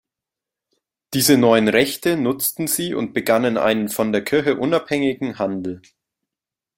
Diese neuen Rechte nutzten sie und begannen einen von der Kirche unabhängigen Handel.